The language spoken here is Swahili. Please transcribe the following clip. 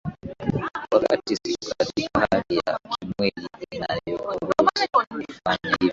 wakati siko katika hali ya kimwili inayoniruhusu kufanya hivyo